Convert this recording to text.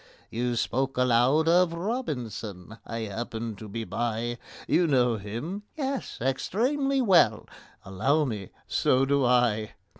You spoke aloud of ROBINSON—I happened to be by. You know him?" "Yes, extremely well." "Allow me, so do I."